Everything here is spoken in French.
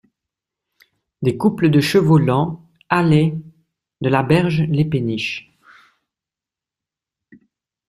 Des couples de chevaux lents halaient, de la berge, les péniches.